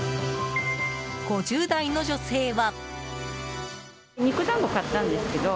５０代の女性は。